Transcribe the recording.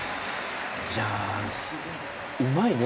いやうまいね。